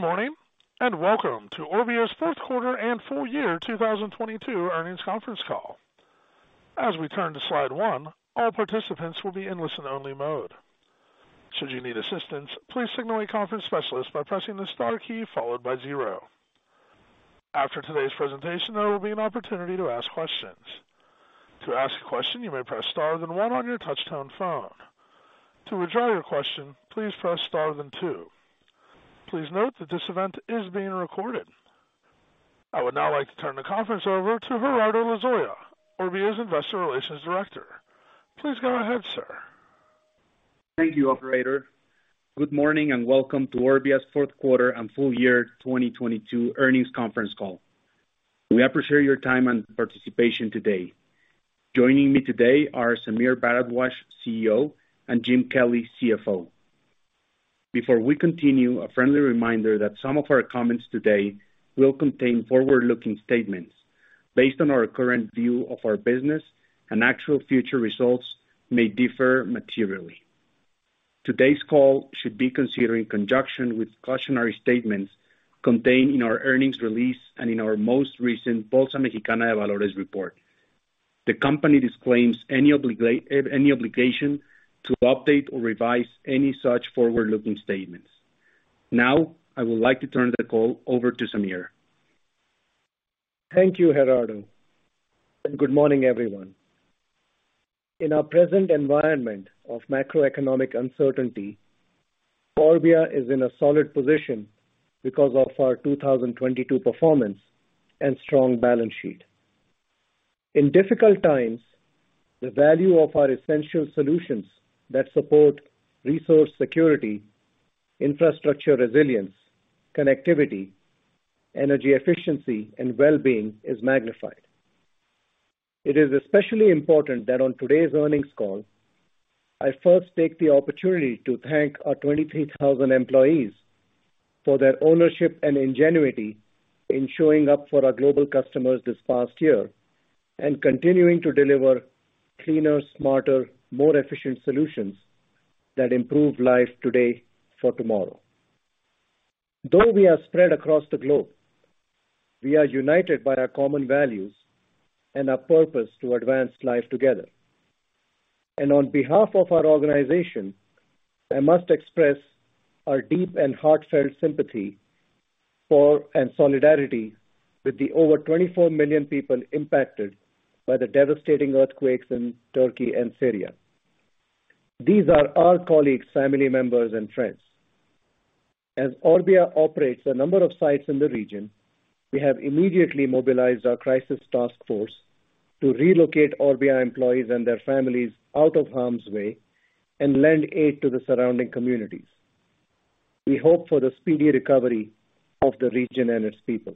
Good morning. Welcome to Orbia's fourth quarter and full year 2022 earnings conference call. As we turn to slide one, all participants will be in listen-only mode. Should you need assistance, please signal a conference specialist by pressing the star key followed by zero. After today's presentation, there will be an opportunity to ask questions. To ask a question, you may press Star then one on your touchtone phone. To withdraw your question, please press Star then two. Please note that this event is being recorded. I would now like to turn the conference over to Gerardo Lozoya, Orbia's Investor Relations Director. Please go ahead, sir. Thank you, operator. Good morning and welcome to Orbia's fourth quarter and full year 2022 earnings conference call. We appreciate your time and participation today. Joining me today are Sameer Bharadwaj, CEO, and Jim Kelly, CFO. Before we continue, a friendly reminder that some of our comments today will contain forward-looking statements based on our current view of our business, and actual future results may differ materially. Today's call should be considered in conjunction with cautionary statements contained in our earnings release and in our most recent Bolsa Mexicana de Valores report. The company disclaims any obligation to update or revise any such forward-looking statements. Now, I would like to turn the call over to Sameer. Thank you, Gerardo. Good morning, everyone. In our present environment of macroeconomic uncertainty, Orbia is in a solid position because of our 2022 performance and strong balance sheet. In difficult times, the value of our essential solutions that support resource security, infrastructure resilience, connectivity, energy efficiency, and well-being is magnified. It is especially important that on today's earnings call, I first take the opportunity to thank our 23,000 employees for their ownership and ingenuity in showing up for our global customers this past year and continuing to deliver cleaner, smarter, more efficient solutions that improve life today for tomorrow. Though we are spread across the globe, we are united by our common values and our purpose to advance life together. On behalf of our organization, I must express our deep and heartfelt sympathy for and solidarity with the over 24 million people impacted by the devastating earthquakes in Turkey and Syria. These are our colleagues, family members and friends. As Orbia operates a number of sites in the region, we have immediately mobilized our crisis task force to relocate Orbia employees and their families out of harm's way and lend aid to the surrounding communities. We hope for the speedy recovery of the region and its people.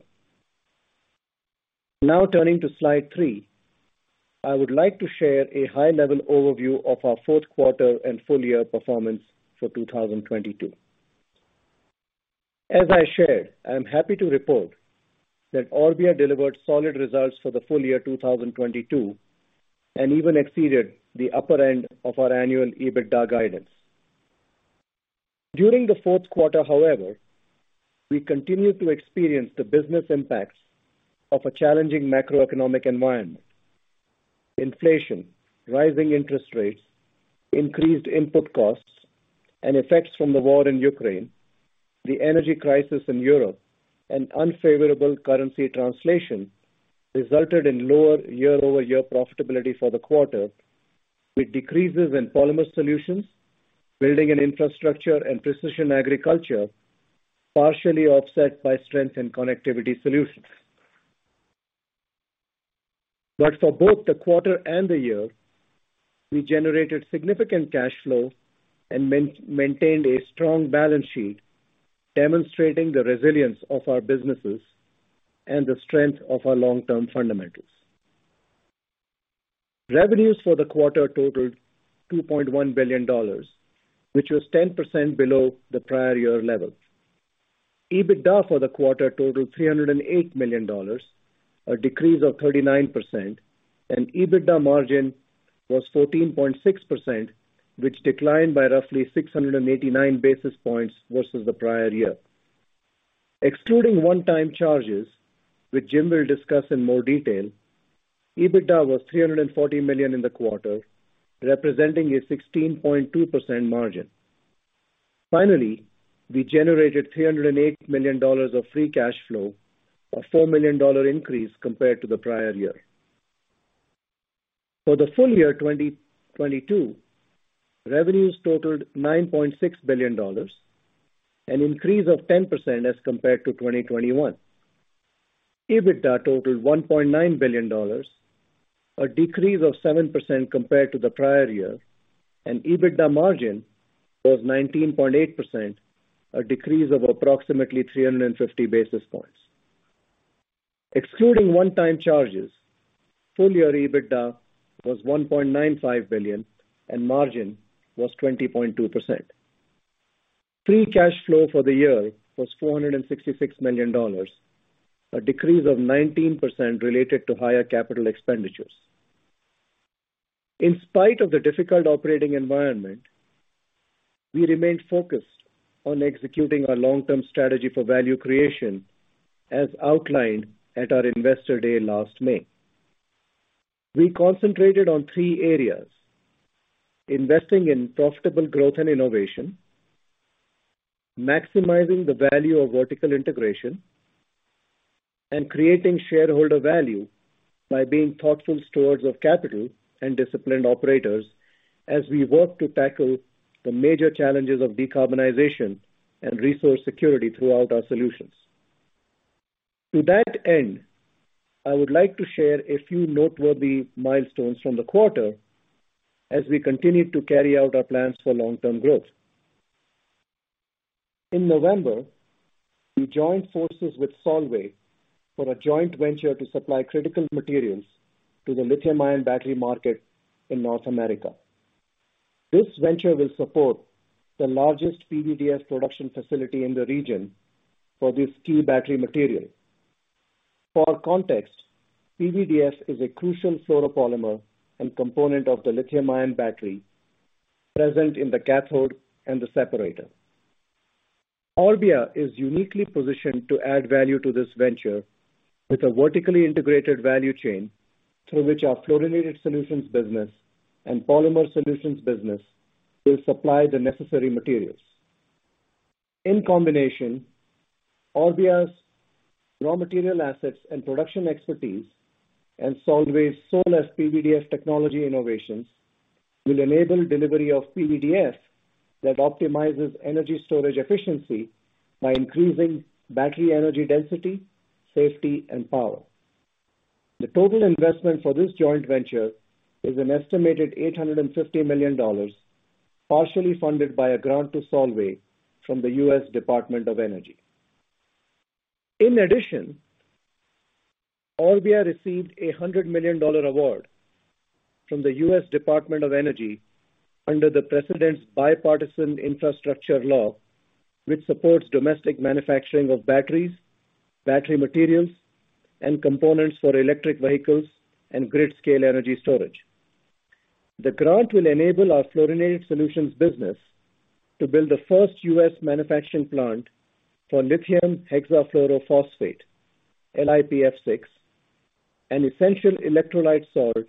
Now turning to slide three. I would like to share a high-level overview of our fourth quarter and full year performance for 2022. As I shared, I am happy to report that Orbia delivered solid results for the full year 2022 and even exceeded the upper end of our annual EBITDA guidance. During the fourth quarter, however, we continued to experience the business impacts of a challenging macroeconomic environment. Inflation, rising interest rates, increased input costs and effects from the war in Ukraine, the energy crisis in Europe and unfavorable currency translation resulted in lower year-over-year profitability for the quarter, with decreases in Polymer Solutions, Building & Infrastructure and Precision Agriculture, partially offset by strength in Connectivity Solutions. For both the quarter and the year, we generated significant cash flow and maintained a strong balance sheet, demonstrating the resilience of our businesses and the strength of our long-term fundamentals. Revenues for the quarter totaled $2.1 billion, which was 10% below the prior year level. EBITDA for the quarter totaled $308 million, a decrease of 39%, and EBITDA margin was 14.6%, which declined by roughly 689 basis points versus the prior year. Excluding one-time charges, which Jim will discuss in more detail, EBITDA was $340 million in the quarter, representing a 16.2% margin. Finally, we generated $308 million of free cash flow, a $4 million increase compared to the prior year. For the full year 2022, revenues totaled $9.6 billion, an increase of 10% as compared to 2021. EBITDA totaled $1.9 billion, a decrease of 7% compared to the prior year, and EBITDA margin was 19.8%, a decrease of approximately 350 basis points. Excluding one-time charges, full year EBITDA was $1.95 billion and margin was 20.2%. Free cash flow for the year was $466 million, a decrease of 19% related to higher capital expenditures. In spite of the difficult operating environment, we remain focused on executing our long-term strategy for value creation as outlined at our Investor Day last May. We concentrated on three areas: investing in profitable growth and innovation, maximizing the value of vertical integration, and creating shareholder value by being thoughtful stewards of capital and disciplined operators as we work to tackle the major challenges of decarbonization and resource security throughout our solutions. To that end, I would like to share a few noteworthy milestones from the quarter as we continue to carry out our plans for long-term growth. In November, we joined forces with Solvay for a joint venture to supply critical materials to the lithium-ion battery market in North America. This venture will support the largest PVDF production facility in the region for this key battery material. For context, PVDF is a crucial fluoropolymer and component of the lithium-ion battery present in the cathode and the separator. Orbia is uniquely positioned to add value to this venture with a vertically integrated value chain through which our Fluorinated Solutions business and Polymer Solutions business will supply the necessary materials. In combination, Orbia's raw material assets and production expertise, and Solvay's Solef PVDF technology innovations will enable delivery of PVDF that optimizes energy storage efficiency by increasing battery energy density, safety, and power. The total investment for this joint venture is an estimated $850 million, partially funded by a grant to Solvay from the U.S. Department of Energy. Orbia received a $100 million award from the U.S. Department of Energy under the President's Bipartisan Infrastructure Law, which supports domestic manufacturing of batteries, battery materials, and components for electric vehicles and grid scale energy storage. The grant will enable our Fluorinated Solutions business to build the first U.S. manufacturing plant for lithium hexafluorophosphate, LiPF6, an essential electrolyte salt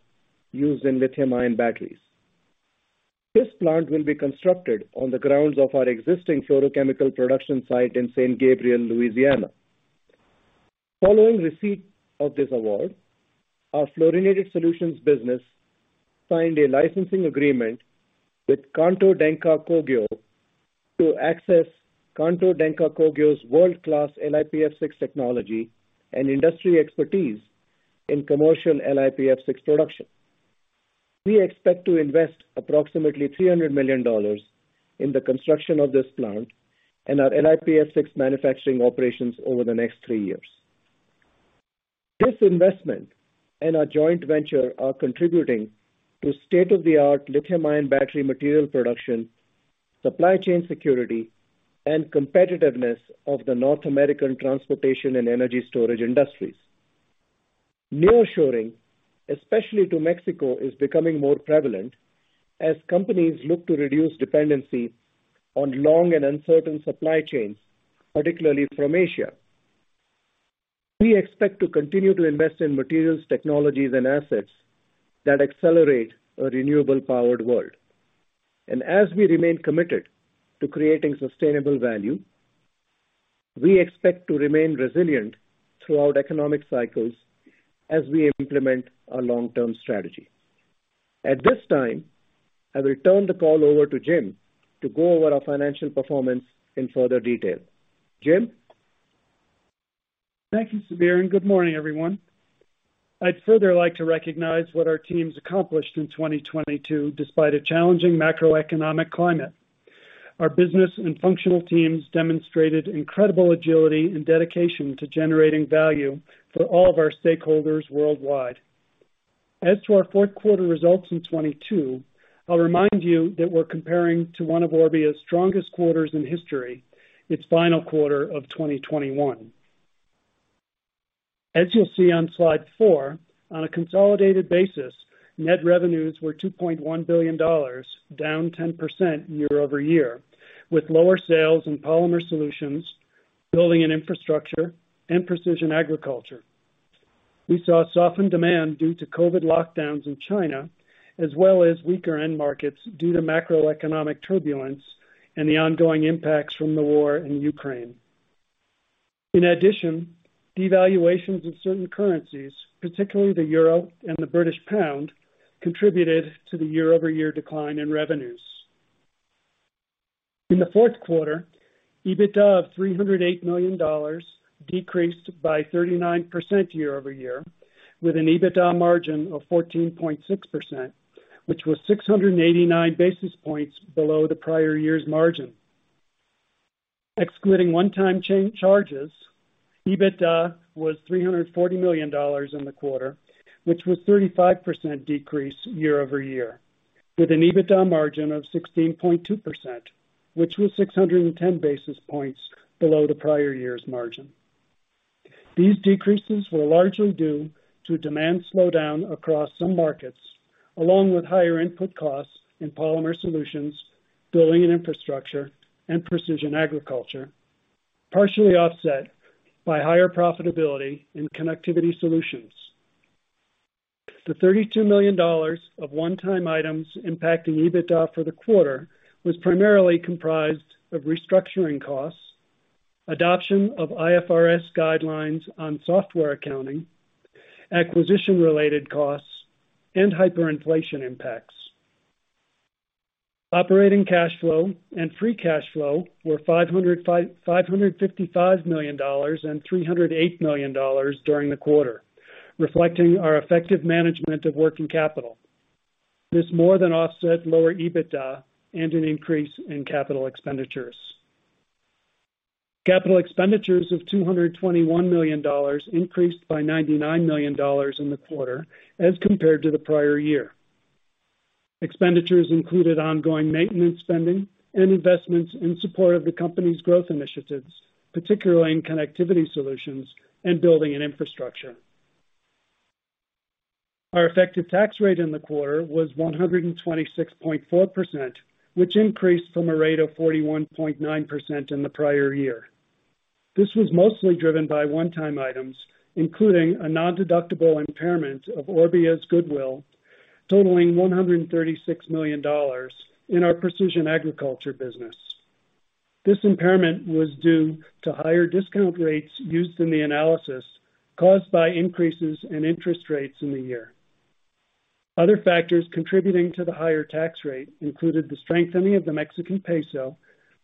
used in lithium-ion batteries. This plant will be constructed on the grounds of our existing fluorochemical production site in St. Gabriel, Louisiana. Following receipt of this award, our Fluorinated Solutions business signed a licensing agreement with Kanto Denka Kogyo to access Kanto Denka Kogyo's world-class LiPF6 technology and industry expertise in commercial LiPF6 production. We expect to invest approximately $300 million in the construction of this plant and our LiPF6 manufacturing operations over the next three years. This investment and our joint venture are contributing to state-of-the-art lithium-ion battery material production, supply chain security, and competitiveness of the North American transportation and energy storage industries. Nearshoring, especially to Mexico, is becoming more prevalent as companies look to reduce dependency on long and uncertain supply chains, particularly from Asia. We expect to continue to invest in materials, technologies, and assets that accelerate a renewable powered world. As we remain committed to creating sustainable value, we expect to remain resilient throughout economic cycles as we implement our long-term strategy. At this time, I will turn the call over to Jim to go over our financial performance in further detail. Jim. Thank you, Sameer, and good morning, everyone. I'd further like to recognize what our teams accomplished in 2022 despite a challenging macroeconomic climate. Our business and functional teams demonstrated incredible agility and dedication to generating value for all of our stakeholders worldwide. As to our fourth quarter results in 2022, I'll remind you that we're comparing to one of Orbia's strongest quarters in history, its final quarter of 2021. As you'll see on slide four, on a consolidated basis, net revenues were $2.1 billion, down 10% year-over-year, with lower sales in Polymer Solutions, Building & Infrastructure, and Precision Agriculture. We saw softened demand due to COVID lockdowns in China, as well as weaker end markets due to macroeconomic turbulence and the ongoing impacts from the war in Ukraine. In addition, devaluations of certain currencies, particularly the euro and the British pound, contributed to the year-over-year decline in revenues. In the fourth quarter, EBITDA of $308 million decreased by 39% year-over-year, with an EBITDA margin of 14.6%, which was 689 basis points below the prior year's margin. Excluding one-time charges, EBITDA was $340 million in the quarter, which was 35% decrease year-over-year, with an EBITDA margin of 16.2%, which was 610 basis points below the prior year's margin. These decreases were largely due to demand slowdown across some markets, along with higher input costs in Polymer Solutions, Building & Infrastructure, and Precision Agriculture, partially offset by higher profitability in Connectivity Solutions. The $32 million of one-time items impacting EBITDA for the quarter was primarily comprised of restructuring costs, adoption of IFRS guidelines on software accounting, acquisition-related costs, and hyperinflation impacts. Operating cash flow and free cash flow were $555 million and $308 million during the quarter, reflecting our effective management of working capital. This more than offset lower EBITDA and an increase in capital expenditures. Capital expenditures of $221 million increased by $99 million in the quarter as compared to the prior year. Expenditures included ongoing maintenance spending and investments in support of the company's growth initiatives, particularly in Connectivity Solutions and Building & Infrastructure. Our effective tax rate in the quarter was 126.4%, which increased from a rate of 41.9% in the prior year. This was mostly driven by one-time items, including a nondeductible impairment of Orbia's goodwill, totaling $136 million in our Precision Agriculture business. This impairment was due to higher discount rates used in the analysis caused by increases in interest rates in the year. Other factors contributing to the higher tax rate included the strengthening of the Mexican peso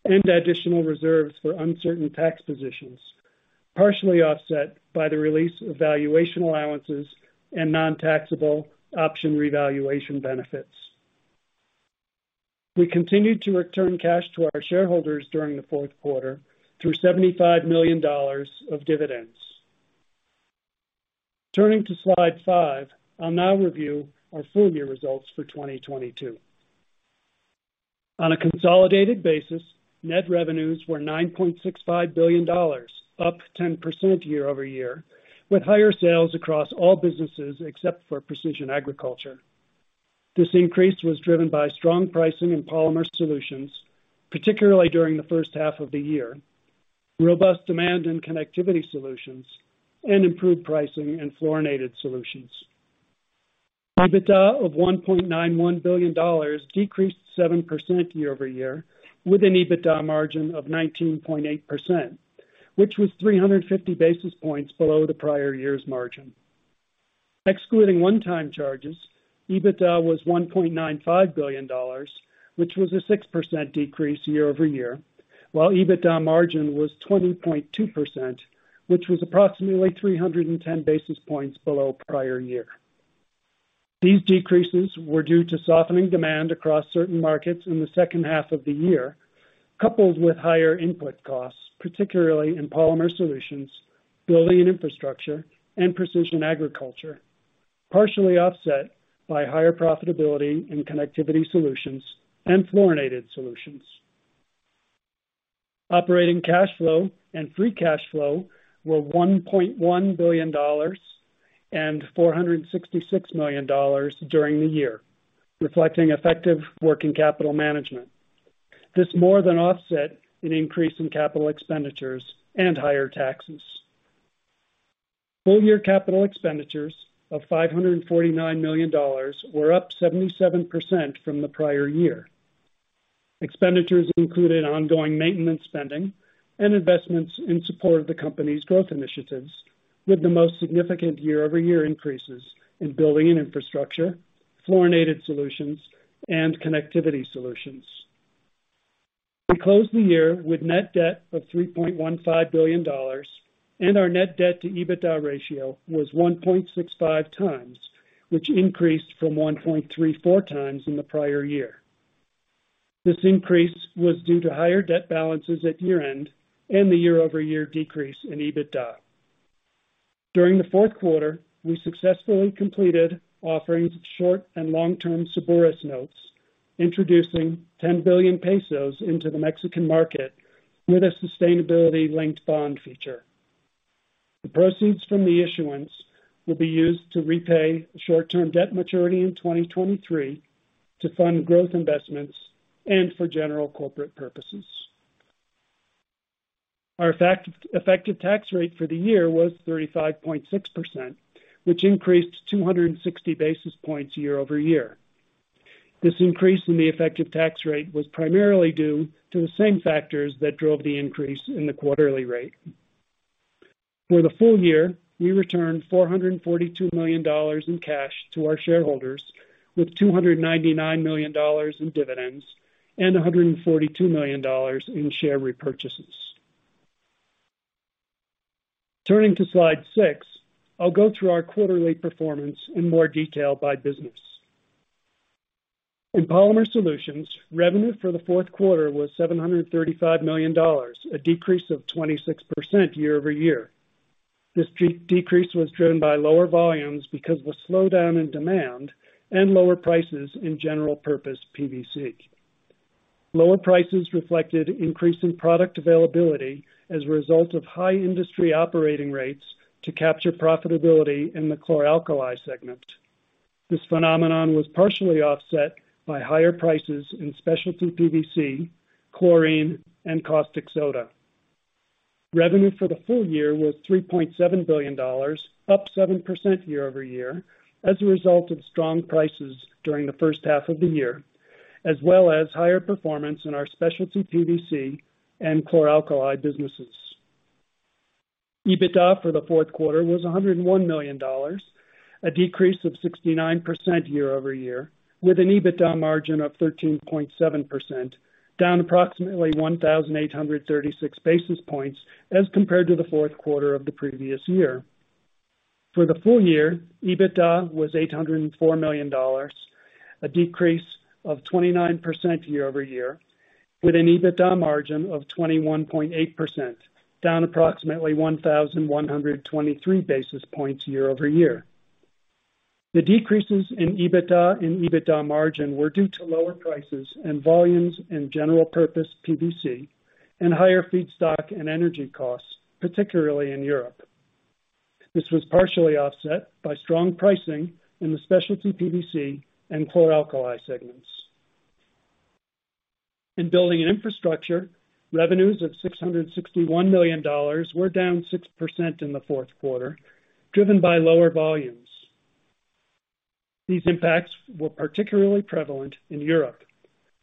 and additional reserves for uncertain tax positions, partially offset by the release of valuation allowances and nontaxable option revaluation benefits. We continued to return cash to our shareholders during the fourth quarter through $75 million of dividends. Turning to slide five, I'll now review our full-year results for 2022. On a consolidated basis, net revenues were $9.65 billion, up 10% year-over-year, with higher sales across all businesses except for Precision Agriculture. This increase was driven by strong pricing in Polymer Solutions, particularly during the first half of the year, robust demand in Connectivity Solutions, and improved pricing in Fluorinated Solutions. EBITDA of $1.91 billion decreased 7% year-over-year, with an EBITDA margin of 19.8%, which was 350 basis points below the prior year's margin. Excluding one-time charges, EBITDA was $1.95 billion, which was a 6% decrease year-over-year, while EBITDA margin was 20.2%, which was approximately 310 basis points below prior year. These decreases were due to softening demand across certain markets in the second half of the year, coupled with higher input costs, particularly in Polymer Solutions, Building & Infrastructure, and Precision Agriculture, partially offset by higher profitability in Connectivity Solutions and Fluorinated Solutions. Operating cash flow and free cash flow were $1.1 billion and $466 million during the year, reflecting effective working capital management. This more than offset an increase in capital expenditures and higher taxes. Full-year capital expenditures of $549 million were up 77% from the prior year. Expenditures included ongoing maintenance spending and investments in support of the company's growth initiatives, with the most significant year-over-year increases in Building & Infrastructure, Fluorinated Solutions, and Connectivity Solutions. We closed the year with net debt of $3.15 billion, and our net debt to EBITDA ratio was 1.65x, which increased from 1.34x in the prior year. This increase was due to higher debt balances at year-end and the year-over-year decrease in EBITDA. During the fourth quarter, we successfully completed offerings of short and long-term Cebures notes, introducing 10 billion pesos into the Mexican market with a sustainability-linked bond feature. The proceeds from the issuance will be used to repay short-term debt maturity in 2023 to fund growth investments and for general corporate purposes. Our effective tax rate for the year was 35.6%, which increased 260 basis points year-over-year. This increase in the effective tax rate was primarily due to the same factors that drove the increase in the quarterly rate. For the full year, we returned $442 million in cash to our shareholders, with $299 million in dividends and $142 million in share repurchases. Turning to slide six, I'll go through our quarterly performance in more detail by business. In Polymer Solutions, revenue for the fourth quarter was $735 million, a decrease of 26% year-over-year. This decrease was driven by lower volumes because of a slowdown in demand and lower prices in general purpose PVC. Lower prices reflected increase in product availability as a result of high industry operating rates to capture profitability in the chlor-alkali segment. This phenomenon was partially offset by higher prices in specialty PVC, chlorine, and caustic soda. Revenue for the full year was $3.7 billion, up 7% year-over-year as a result of strong prices during the first half of the year, as well as higher performance in our specialty PVC and chlor-alkali businesses. EBITDA for the fourth quarter was $101 million, a decrease of 69% year-over-year, with an EBITDA margin of 13.7%, down approximately 1,836 basis points as compared to the fourth quarter of the previous year. For the full year, EBITDA was $804 million, a decrease of 29% year-over-year, with an EBITDA margin of 21.8%, down approximately 1,123 basis points year-over-year. The decreases in EBITDA and EBITDA margin were due to lower prices and volumes in general purpose PVC and higher feedstock and energy costs, particularly in Europe. This was partially offset by strong pricing in the specialty PVC and chlor-alkali segments. In Building & Infrastructure, revenues of $661 million were down 6% in the fourth quarter, driven by lower volumes. These impacts were particularly prevalent in Europe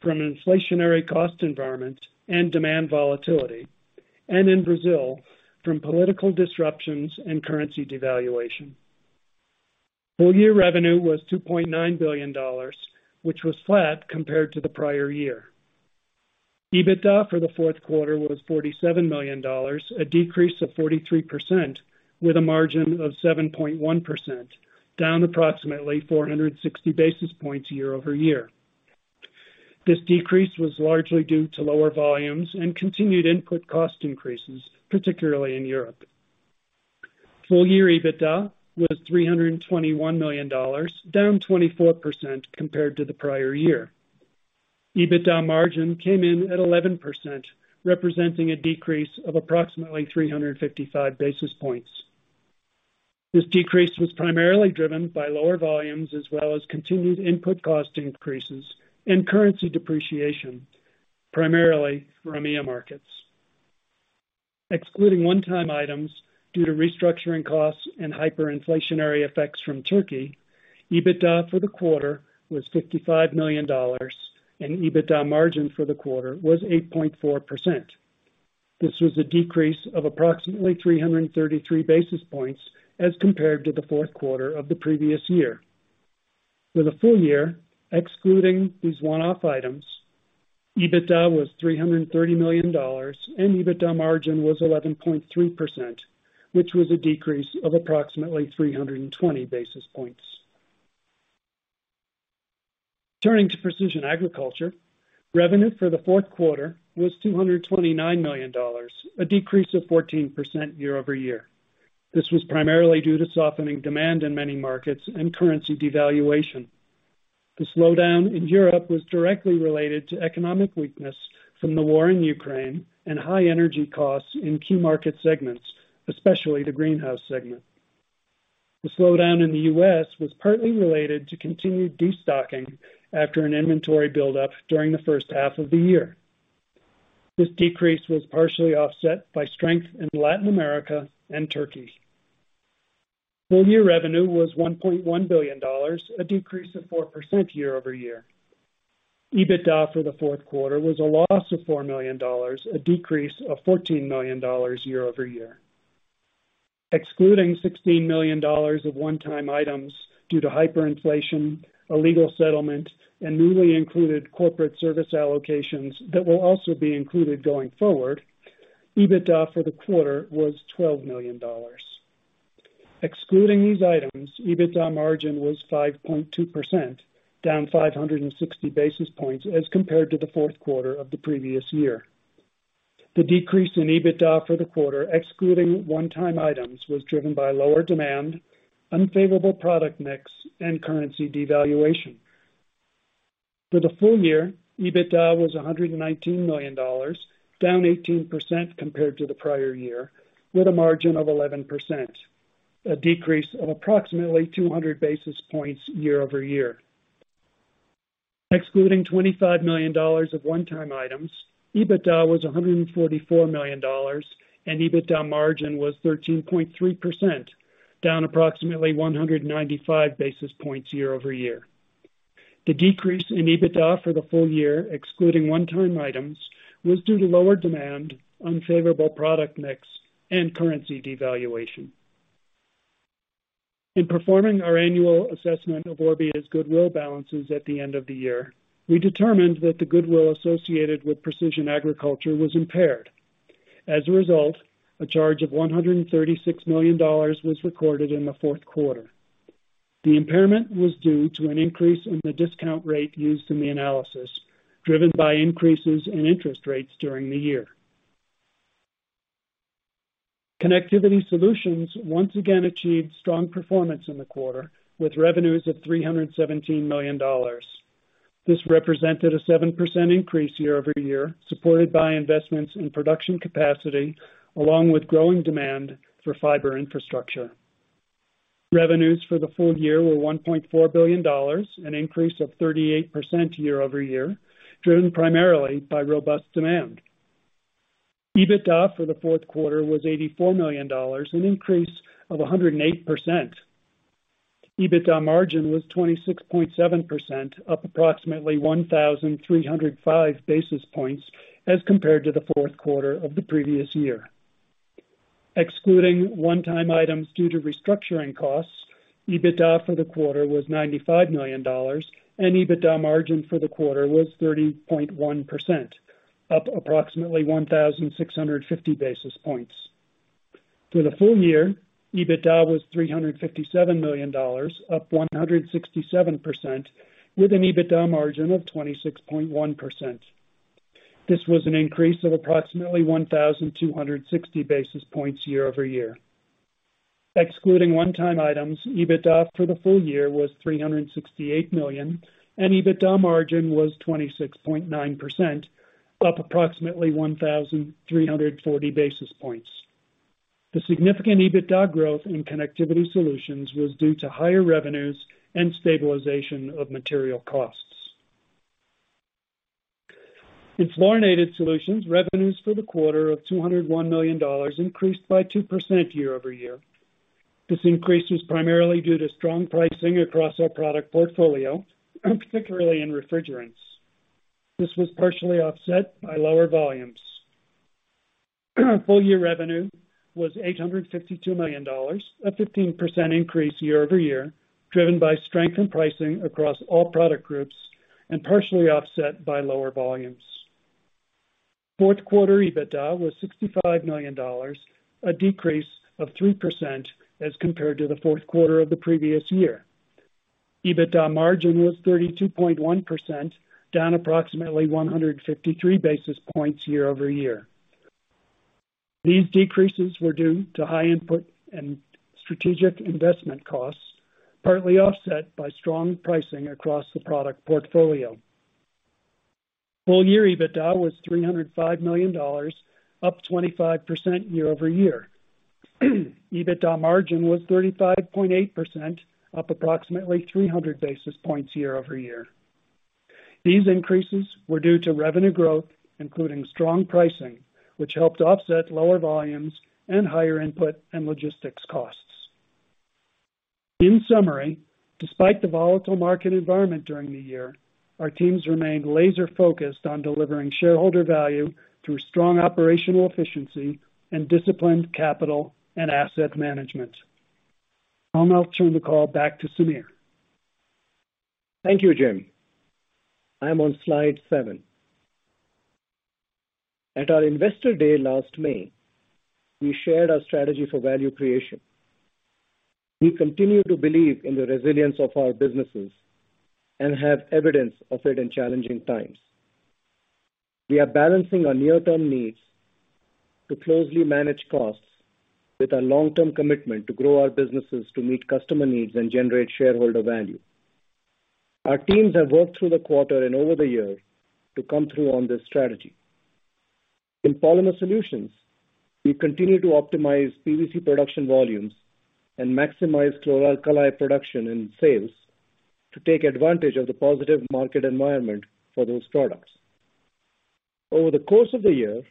from an inflationary cost environment and demand volatility, and in Brazil from political disruptions and currency devaluation. Full year revenue was $2.9 billion, which was flat compared to the prior year. EBITDA for the fourth quarter was $47 million, a decrease of 43% with a margin of 7.1%, down approximately 460 basis points year over year. This decrease was largely due to lower volumes and continued input cost increases, particularly in Europe. Full year EBITDA was $321 million, down 24% compared to the prior year. EBITDA margin came in at 11%, representing a decrease of approximately 355 basis points. This decrease was primarily driven by lower volumes as well as continued input cost increases and currency depreciation, primarily from EMEA markets. Excluding one-time items due to restructuring costs and hyperinflationary effects from Turkey, EBITDA for the quarter was $55 million, and EBITDA margin for the quarter was 8.4%. This was a decrease of approximately 333 basis points as compared to the fourth quarter of the previous year. For the full year, excluding these one-off items, EBITDA was $330 million and EBITDA margin was 11.3%, which was a decrease of approximately 320 basis points. Turning to Precision Agriculture. Revenue for the fourth quarter was $229 million, a decrease of 14% year-over-year. This was primarily due to softening demand in many markets and currency devaluation. The slowdown in Europe was directly related to economic weakness from the war in Ukraine and high energy costs in key market segments, especially the greenhouse segment. The slowdown in the U.S. was partly related to continued destocking after an inventory buildup during the first half of the year. This decrease was partially offset by strength in Latin America and Turkey. Full year revenue was $1.1 billion, a decrease of 4% year-over-year. EBITDA for the fourth quarter was a loss of $4 million, a decrease of $14 million year-over-year. Excluding $16 million of one-time items due to hyperinflation, a legal settlement, and newly included corporate service allocations that will also be included going forward, EBITDA for the quarter was $12 million. Excluding these items, EBITDA margin was 5.2%, down 560 basis points as compared to the fourth quarter of the previous year. The decrease in EBITDA for the quarter, excluding one-time items, was driven by lower demand, unfavorable product mix, and currency devaluation. For the full year, EBITDA was $119 million, down 18% compared to the prior year, with a margin of 11%, a decrease of approximately 200 basis points year-over-year. Excluding $25 million of one-time items, EBITDA was $144 million, and EBITDA margin was 13.3%, down approximately 195 basis points year-over-year. The decrease in EBITDA for the full year, excluding one-time items, was due to lower demand, unfavorable product mix, and currency devaluation. In performing our annual assessment of Orbia's goodwill balances at the end of the year, we determined that the goodwill associated with Precision Agriculture was impaired. A charge of $136 million was recorded in the fourth quarter. The impairment was due to an increase in the discount rate used in the analysis, driven by increases in interest rates during the year. Connectivity Solutions once again achieved strong performance in the quarter with revenues of $317 million. This represented a 7% increase year-over-year, supported by investments in production capacity along with growing demand for fiber infrastructure. Revenues for the full year were $1.4 billion, an increase of 38% year-over-year, driven primarily by robust demand. EBITDA for the fourth quarter was $84 million, an increase of 108%. EBITDA margin was 26.7%, up approximately 1,305 basis points as compared to the fourth quarter of the previous year. Excluding one-time items due to restructuring costs, EBITDA for the quarter was $95 million, and EBITDA margin for the quarter was 30.1%, up approximately 1,650 basis points. For the full year, EBITDA was $357 million, up 167% with an EBITDA margin of 26.1%. This was an increase of approximately 1,260 basis points year-over-year. Excluding one-time items, EBITDA for the full year was $368 million, and EBITDA margin was 26.9%, up approximately 1,340 basis points. The significant EBITDA growth in Connectivity Solutions was due to higher revenues and stabilization of material costs. In Fluorinated Solutions, revenues for the quarter of $201 million increased by 2% year-over-year. This increase was primarily due to strong pricing across our product portfolio, particularly in refrigerants. This was partially offset by lower volumes. Full year revenue was $852 million, a 15% increase year-over-year, driven by strength in pricing across all product groups and partially offset by lower volumes. Fourth quarter EBITDA was $65 million, a decrease of 3% as compared to the fourth quarter of the previous year. EBITDA margin was 32.1%, down approximately 153 basis points year-over-year. These decreases were due to high input and strategic investment costs, partly offset by strong pricing across the product portfolio. Full year EBITDA was $305 million, up 25% year-over-year. EBITDA margin was 35.8%, up approximately 300 basis points year-over-year. These increases were due to revenue growth, including strong pricing, which helped offset lower volumes and higher input and logistics costs. In summary, despite the volatile market environment during the year, our teams remained laser-focused on delivering shareholder value through strong operational efficiency and disciplined capital and asset management. I'll now turn the call back to Sameer. Thank you, Jim. I am on slide seven. At our Investor Day last May, we shared our strategy for value creation. We continue to believe in the resilience of our businesses and have evidence of it in challenging times. We are balancing our near-term needs to closely manage costs with our long-term commitment to grow our businesses to meet customer needs and generate shareholder value. Our teams have worked through the quarter and over the year to come through on this strategy. In Polymer Solutions, we continue to optimize PVC production volumes and maximize chlor-alkali production and sales to take advantage of the positive market environment for those products. Over the course of the year,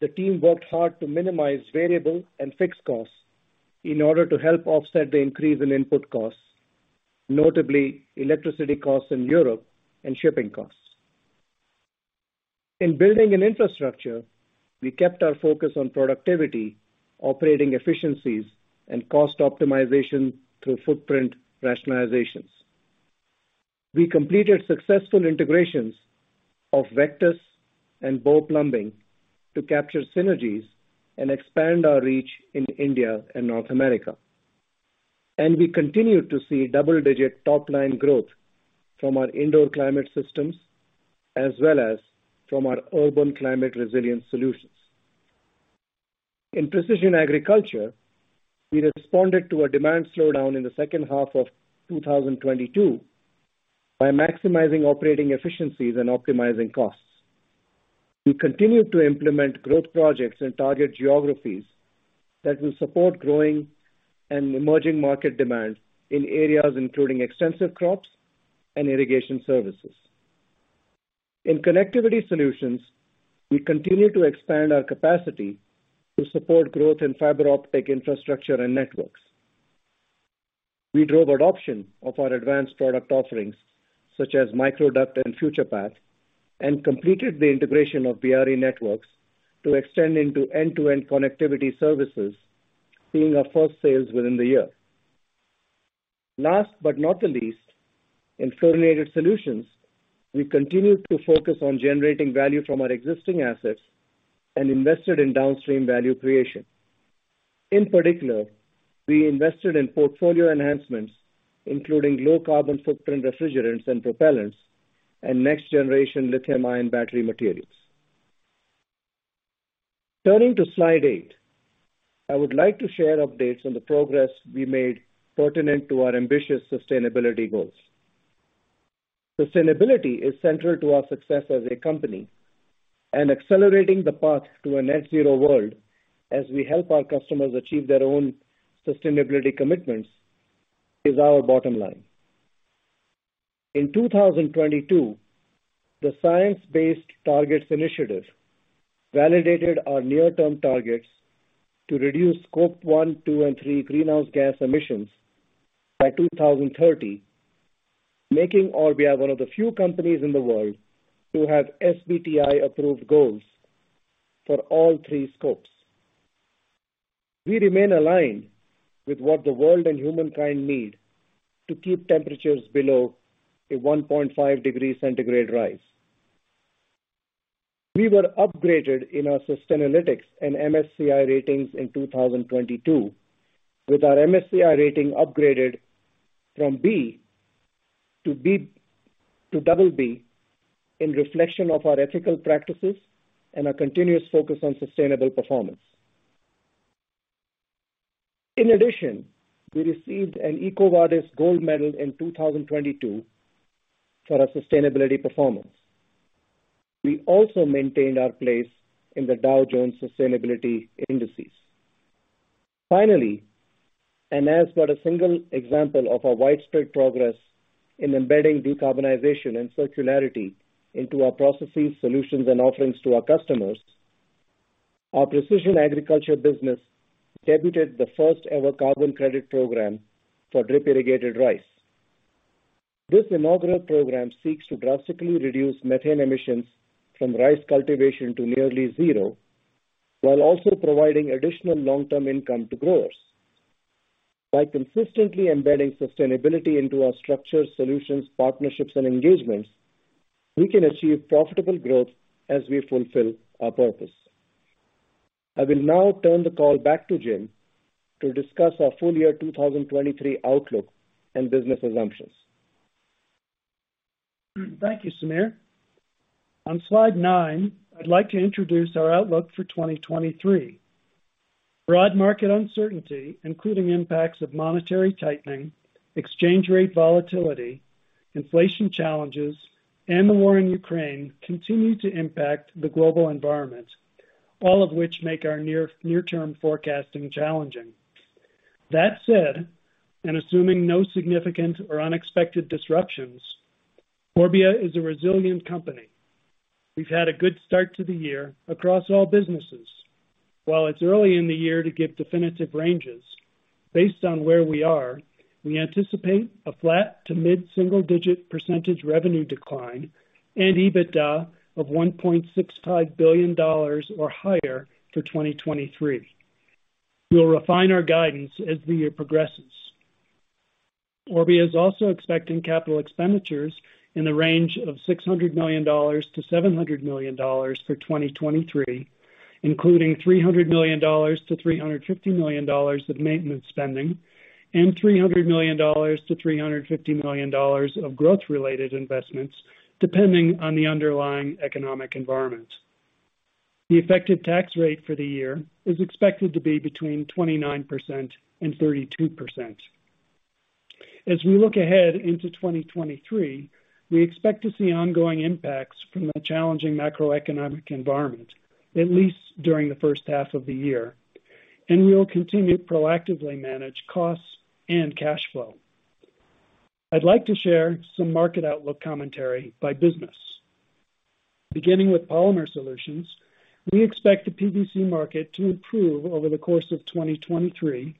the team worked hard to minimize variable and fixed costs in order to help offset the increase in input costs, notably electricity costs in Europe and shipping costs. In building an infrastructure, we kept our focus on productivity, operating efficiencies, and cost optimization through footprint rationalizations. We completed successful integrations of Vectus and [Bow Plumbing] to capture synergies and expand our reach in India and North America. We continue to see double-digit top-line growth from our indoor climate systems as well as from our urban climate resilience solutions. In Precision Agriculture, we responded to a demand slowdown in the second half of 2022 by maximizing operating efficiencies and optimizing costs. We continue to implement growth projects in target geographies that will support growing and emerging market demands in areas including extensive crops and irrigation services. In Connectivity Solutions, we continue to expand our capacity to support growth in fiber optic infrastructure and networks. We drove adoption of our advanced product offerings, such as MicroDuct and FuturePath, completed the integration of Biarri Networks to extend into end-to-end connectivity services, seeing our first sales within the year. Last but not the least, in Fluorinated Solutions, we continued to focus on generating value from our existing assets and invested in downstream value creation. In particular, we invested in portfolio enhancements, including low carbon footprint refrigerants and propellants and next generation lithium-ion battery materials. Turning to slide eight, I would like to share updates on the progress we made pertinent to our ambitious sustainability goals. Sustainability is central to our success as a company, accelerating the path to a net zero world as we help our customers achieve their own sustainability commitments is our bottom line. In 2022, the Science Based Targets initiative validated our near-term targets to reduce Scope 1, 2, and 3 greenhouse gas emissions by 2030, making Orbia one of the few companies in the world who have SBTi-approved goals for all three scopes. We remain aligned with what the world and humankind need to keep temperatures below a 1.5 degree centigrade rise. We were upgraded in our Sustainalytics and MSCI ratings in 2022, with our MSCI rating upgraded from B to BB in reflection of our ethical practices and our continuous focus on sustainable performance. In addition, we received an EcoVadis Gold Medal in 2022 for our sustainability performance. We also maintained our place in the Dow Jones Sustainability Indices. Finally, as but a single example of our widespread progress in embedding decarbonization and circularity into our processes, solutions, and offerings to our customers, our Precision Agriculture business debuted the first ever carbon credit program for drip-irrigated rice. This inaugural program seeks to drastically reduce methane emissions from rice cultivation to nearly zero, while also providing additional long-term income to growers. By consistently embedding sustainability into our structures, solutions, partnerships, and engagements, we can achieve profitable growth as we fulfill our purpose. I will now turn the call back to Jim to discuss our full year 2023 outlook and business assumptions. Thank you, Sameer. On slide nine, I'd like to introduce our outlook for 2023. Broad market uncertainty, including impacts of monetary tightening, exchange rate volatility, inflation challenges, and the war in Ukraine, continue to impact the global environment, all of which make our near-term forecasting challenging. That said, and assuming no significant or unexpected disruptions, Orbia is a resilient company. We've had a good start to the year across all businesses. While it's early in the year to give definitive ranges, based on where we are, we anticipate a flat to mid-single digit percentage revenue decline and EBITDA of $1.65 billion or higher for 2023. We'll refine our guidance as the year progresses. Orbia is also expecting capital expenditures in the range of $600 million-$700 million for 2023, including $300 million-$350 million of maintenance spending and $300 million-$350 million of growth-related investments, depending on the underlying economic environment. The effective tax rate for the year is expected to be between 29% and 32%. As we look ahead into 2023, we expect to see ongoing impacts from the challenging macroeconomic environment, at least during the first half of the year, and we will continue to proactively manage costs and cash flow. I'd like to share some market outlook commentary by business. Beginning with Polymer Solutions, we expect the PVC market to improve over the course of 2023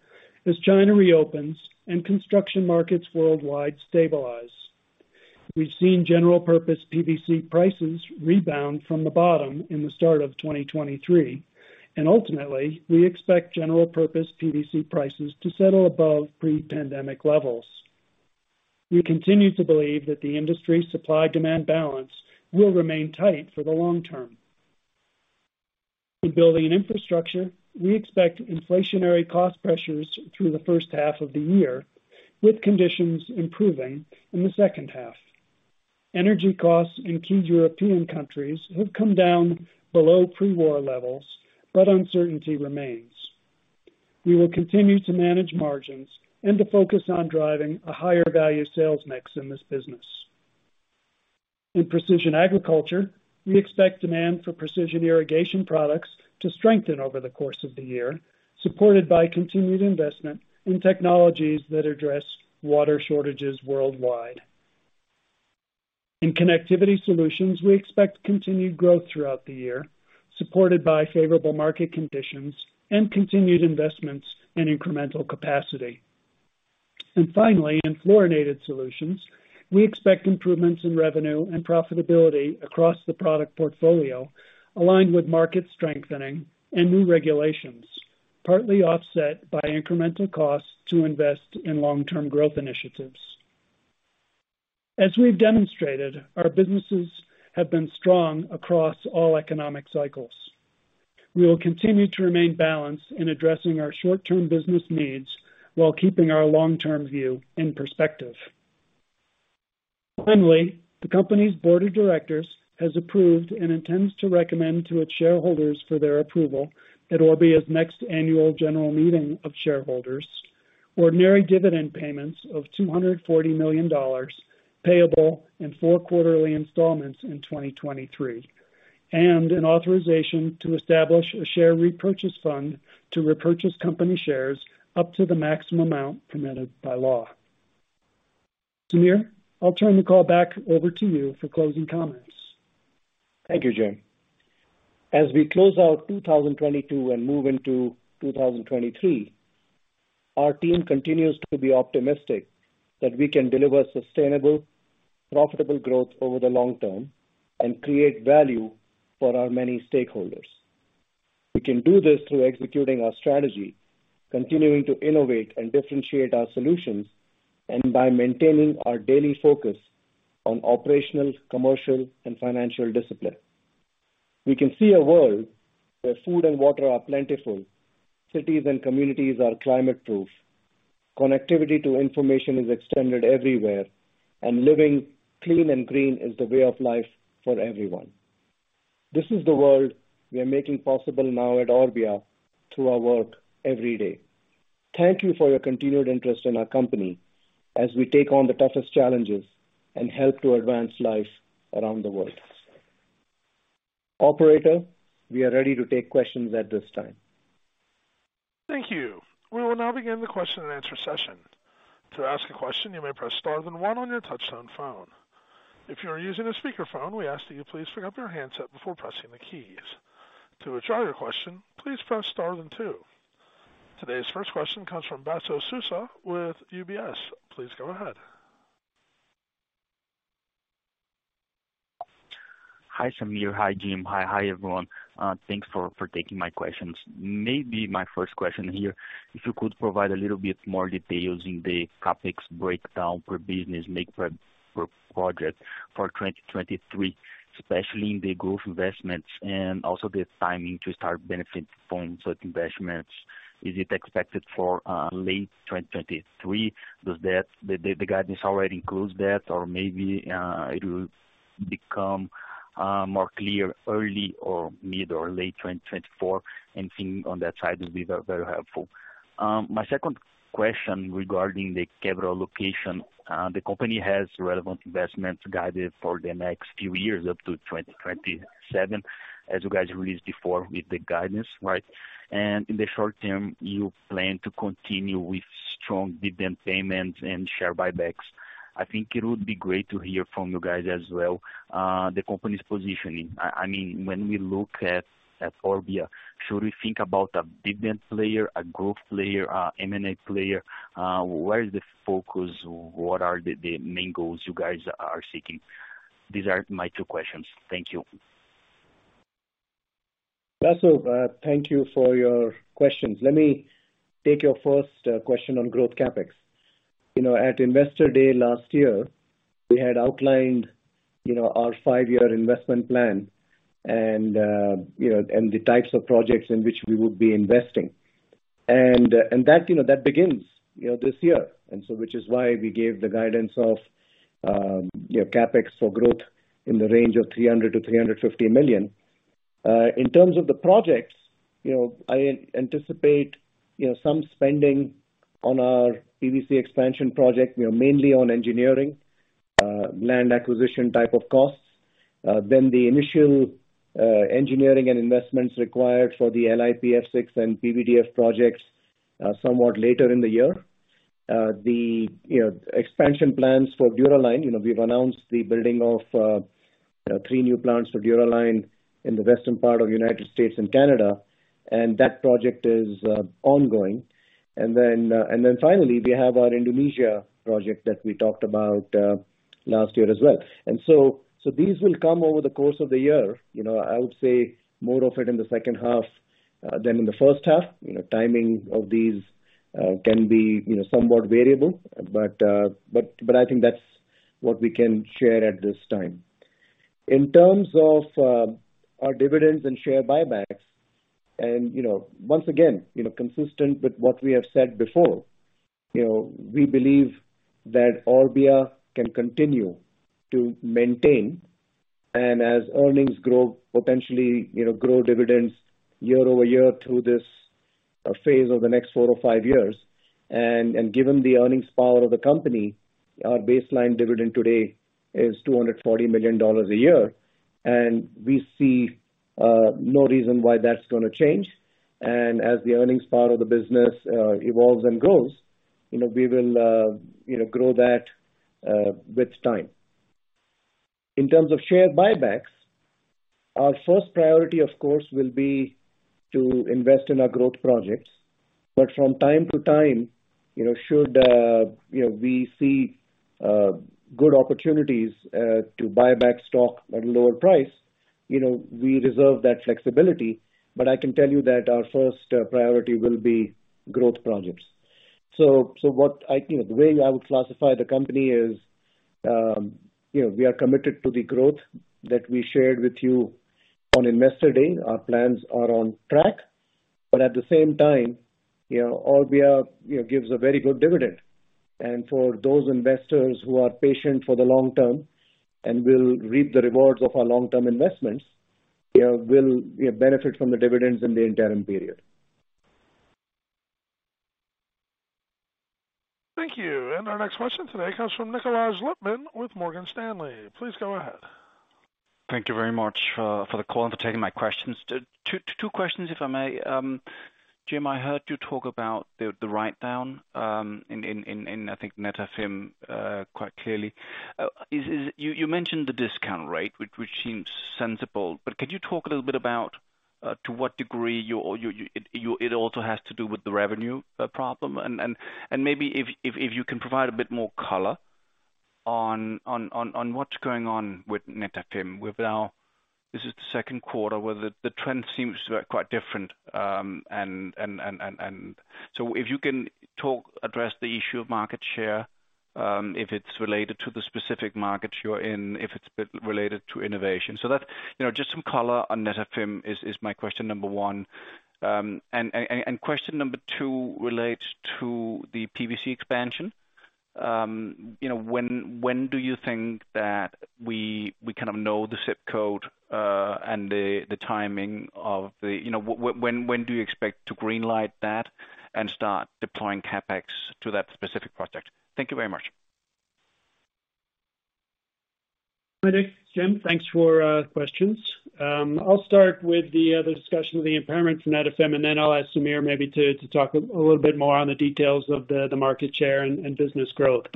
as China reopens and construction markets worldwide stabilize. We've seen general purpose PVC prices rebound from the bottom in the start of 2023. Ultimately, we expect general purpose PVC prices to settle above pre-pandemic levels. We continue to believe that the industry's supply-demand balance will remain tight for the long term. In Building & Infrastructure, we expect inflationary cost pressures through the first half of the year, with conditions improving in the second half. Energy costs in key European countries have come down below pre-war levels. Uncertainty remains. We will continue to manage margins and to focus on driving a higher value sales mix in this business. In Precision Agriculture, we expect demand for precision irrigation products to strengthen over the course of the year, supported by continued investment in technologies that address water shortages worldwide. In Connectivity Solutions, we expect continued growth throughout the year, supported by favorable market conditions and continued investments in incremental capacity. Finally, in Fluorinated Solutions, we expect improvements in revenue and profitability across the product portfolio, aligned with market strengthening and new regulations, partly offset by incremental costs to invest in long-term growth initiatives. As we've demonstrated, our businesses have been strong across all economic cycles. We will continue to remain balanced in addressing our short-term business needs while keeping our long-term view in perspective. Finally, the company's board of directors has approved and intends to recommend to its shareholders for their approval at Orbia's next annual general meeting of shareholders, ordinary dividend payments of $240 million payable in four quarterly installments in 2023, and an authorization to establish a share repurchase fund to repurchase company shares up to the maximum amount permitted by law. Sameer, I'll turn the call back over to you for closing comments. Thank you, Jim. As we close out 2022 and move into 2023, our team continues to be optimistic that we can deliver sustainable, profitable growth over the long term and create value for our many stakeholders. We can do this through executing our strategy, continuing to innovate and differentiate our solutions, and by maintaining our daily focus on operational, commercial, and financial discipline. We can see a world where food and water are plentiful, cities and communities are climate-proof, connectivity to information is extended everywhere, and living clean and green is the way of life for everyone. This is the world we are making possible now at Orbia through our work every day. Thank you for your continued interest in our company as we take on the toughest challenges and help to advance life around the world. Operator, we are ready to take questions at this time. Thank you. We will now begin the question-and-answer session. To ask a question, you may press star then one on your touchtone phone. If you are using a speakerphone, we ask that you please pick up your handset before pressing the keys. To withdraw your question, please press star then two. Today's first question comes from Tasso Souza with UBS. Please go ahead. Hi, Sameer. Hi, Jim. Hi. Hi, everyone. Thanks for taking my questions. Maybe my first question here, if you could provide a little bit more details in the CapEx breakdown per business per project for 2023, especially in the growth investments and also the timing to start benefiting from such investments. Is it expected for late 2023? Did the guidance already include that? Or maybe it will become more clear early or mid or late 2024. Anything on that side will be very helpful. My second question regarding the capital allocation. The company has relevant investments guided for the next few years up to 2027, as you guys released before with the guidance, right? In the short term, you plan to continue with strong dividend payments and share buybacks. I think it would be great to hear from you guys as well, the company's positioning. I mean, when we look at Orbia, should we think about a dividend player, a growth player, a M&A player? Where is the focus? What are the main goals you guys are seeking? These are my two questions. Thank you. Tasso, thank you for your questions. Let me take your first question on growth CapEx. You know, at Investor Day last year, we had outlined, you know, our five-year investment plan and, you know, and the types of projects in which we would be investing. That, you know, that begins, you know, this year, and so which is why we gave the guidance of, you know, CapEx for growth in the range of $300 million-$350 million. In terms of the projects, you know, I anticipate, you know, some spending on our PVC expansion project, you know, mainly on engineering, land acquisition type of costs. Then the initial, engineering and investments required for the LiPF6 and PVDF projects, somewhat later in the year. The, you know, expansion plans for Dura-Line. You know, we've announced the building of, you know, three new plants for Dura-Line in the western part of United States and Canada, and that project is ongoing. Finally, we have our Indonesia project that we talked about last year as well. These will come over the course of the year. You know, I would say more of it in the second half than in the first half. You know, timing of these can be, you know, somewhat variable. I think that's what we can share at this time. In terms of our dividends and share buybacks, and, you know, once again, you know, consistent with what we have said before. You know, we believe that Orbia can continue to maintain, and as earnings grow, potentially, you know, grow dividends year-over-year through this phase of the next four or five years. Given the earnings power of the company, our baseline dividend today is $240 million a year, and we see no reason why that's gonna change. As the earnings power of the business evolves and grows, you know, we will, you know, grow that with time. In terms of share buybacks, our first priority, of course, will be to invest in our growth projects. From time to time, you know, should, you know, we see good opportunities to buy back stock at a lower price, you know, we reserve that flexibility. I can tell you that our first priority will be growth projects. What I, you know, the way I would classify the company is, you know, we are committed to the growth that we shared with you on Investor Day. Our plans are on track, but at the same time, you know, Orbia, you know, gives a very good dividend. For those investors who are patient for the long term and will reap the rewards of our long-term investments, you know, will, you know, benefit from the dividends in the interim period. Thank you. Our next question today comes from Nikolaj Lippmann with Morgan Stanley. Please go ahead. Thank you very much for the call and for taking my questions. Two questions, if I may. Jim, I heard you talk about the write down in I think Netafim quite clearly. Is it... You mentioned the discount rate, which would seem sensible, but could you talk a little bit about to what degree you, it also has to do with the revenue problem? Maybe if you can provide a bit more color on what's going on with Netafim with now this is the second quarter where the trend seems to be quite different. If you can talk, address the issue of market share, if it's related to the specific markets you're in, if it's related to innovation. That's, you know, just some color on Netafim is my question number one. And question number two relates to the PVC expansion. You know, when do you think that we kind of know the ZIP Code and the timing of the... You know, when do you expect to green light that and start deploying CapEx to that specific project? Thank you very much. Nik, This is Jim, thanks for questions. I'll start with the discussion of the impairment from Netafim, and then I'll ask Sameer maybe to talk a little bit more on the details of the market share and business growth.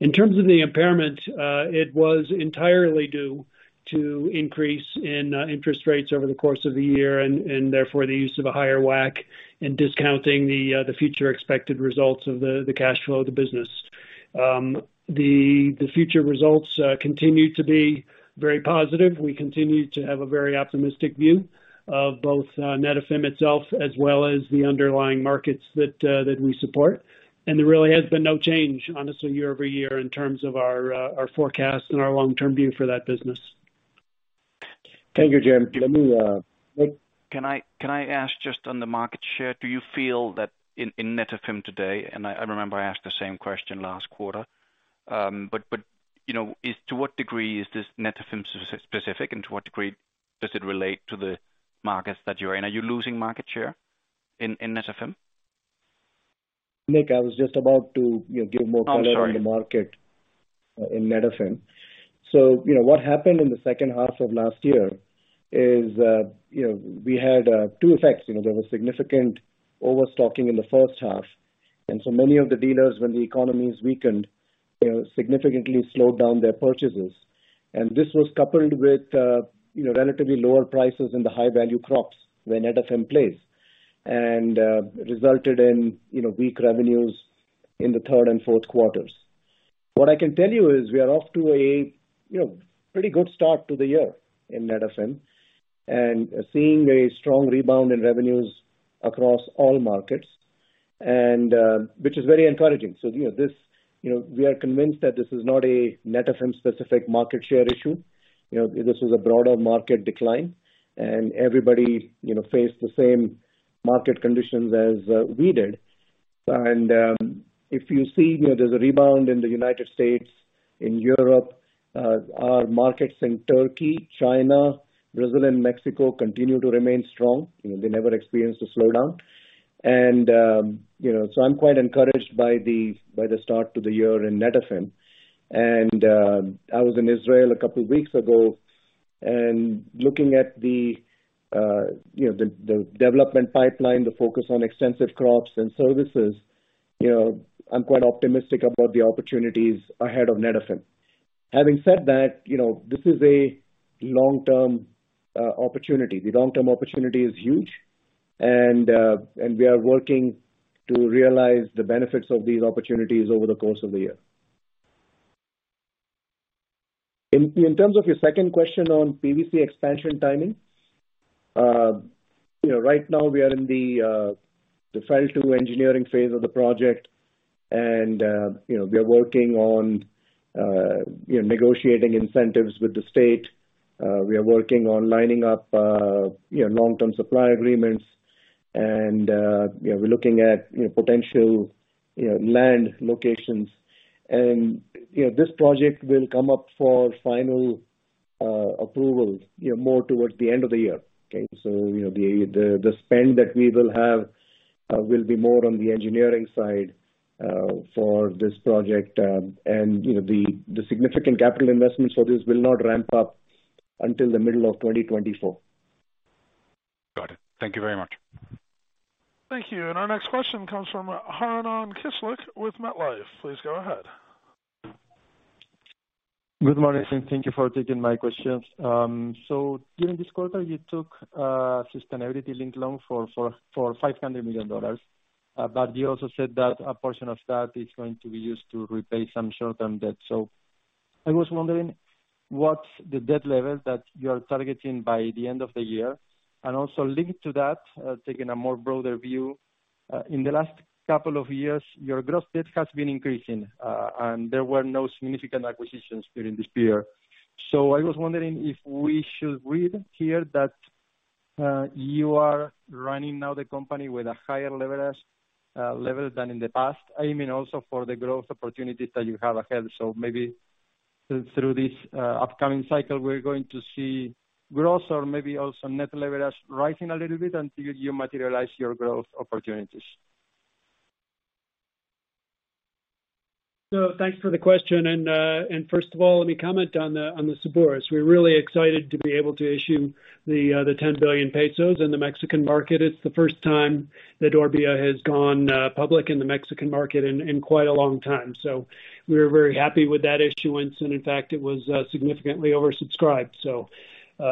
In terms of the impairment, it was entirely due to increase in interest rates over the course of the year and therefore the use of a higher WACC in discounting the future expected results of the cash flow of the business. The future results continue to be very positive. We continue to have a very optimistic view of both Netafim itself as well as the underlying markets that we support. There really has been no change honestly year-over-year in terms of our forecast and our long-term view for that business. Thank you, Jim. Let me- Can I ask just on the market share, do you feel that in Netafim today, and I remember I asked the same question last quarter. You know, is, to what degree is this Netafim specific, and to what degree does it relate to the markets that you're in? Are you losing market share in Netafim? Nik, I was just about to, you know, give more color- Oh, I'm sorry. On the market, in Netafim. You know, what happened in the second half of last year is, you know, we had two effects. You know, there was significant overstocking in the first half. Many of the dealers, when the economies weakened, you know, significantly slowed down their purchases. This was coupled with, you know, relatively lower prices in the high value crops where Netafim plays. Resulted in, you know, weak revenues in the third and fourth quarters. What I can tell you is we are off to a, you know, pretty good start to the year in Netafim. Seeing a strong rebound in revenues across all markets and. Which is very encouraging. You know, this, you know, we are convinced that this is not a Netafim specific market share issue. You know, this is a broader market decline. Everybody, you know, faced the same market conditions as we did. If you see, you know, there's a rebound in the United States, in Europe, our markets in Turkey, China, Brazil, and Mexico continue to remain strong. You know, they never experienced a slowdown. You know, I'm quite encouraged by the start to the year in Netafim. I was in Israel a couple weeks ago, and looking at the, you know, the development pipeline, the focus on extensive crops and services, you know, I'm quite optimistic about the opportunities ahead of Netafim. Having said that, you know, this is a long-term opportunity. The long-term opportunity is huge, and we are working to realize the benefits of these opportunities over the course of the year. In terms of your second question on PVC expansion timing, you know, right now we are in the final two engineering phase of the project. We are working on, you know, negotiating incentives with the state. We are working on lining up, you know, long-term supply agreements and, you know, we're looking at, you know, potential, you know, land locations. This project will come up for final approval, you know, more towards the end of the year. Okay? You know, the spend that we will have will be more on the engineering side for this project. You know, the significant capital investments for this will not ramp up until the middle of 2024. Got it. Thank you very much. Thank you. Our next question comes from Hernán Kisluk with MetLife. Please go ahead. Good morning, and thank you for taking my questions. During this quarter, you took a sustainability linked loan for $500 million. You also said that a portion of that is going to be used to repay some short-term debt. I was wondering what the debt level that you are targeting by the end of the year. Also linked to that, taking a more broader view, in the last couple of years, your gross debt has been increasing, and there were no significant acquisitions during this period. I was wondering if we should read here that you are running now the company with a higher leverage level than in the past, aiming also for the growth opportunities that you have ahead. Maybe through this upcoming cycle, we're going to see growth or maybe also net leverage rising a little bit until you materialize your growth opportunities. Thanks for the question. First of all, let me comment on the Cebures. We're really excited to be able to issue the 10 billion pesos in the Mexican market. It's the first time that Orbia has gone public in the Mexican market in quite a long time. We're very happy with that issuance. In fact, it was significantly oversubscribed.